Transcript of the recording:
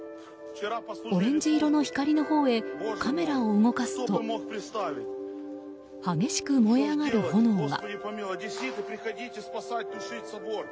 オレンジ色の光のほうへカメラを動かすと激しく燃え上がる炎が。